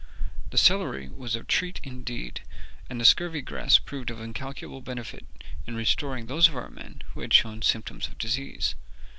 The celery was a treat indeed, and the scurvy grass proved of incalculable benefit in restoring those of our men who had shown symptoms of disease.